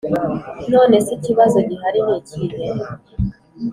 nonese ikibazo gihari nikihe